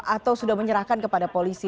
atau sudah menyerahkan kepada polisi